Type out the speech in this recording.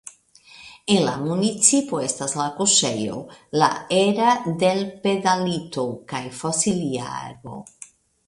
En la municipo estas la kuŝejo "La era del Peladillo" kaj fosilia arbo.